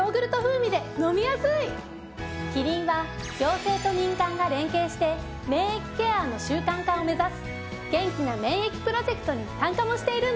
キリンは行政と民間が連携して免疫ケアの習慣化を目指す「げんきな免疫プロジェクト」に参加もしているんですよ。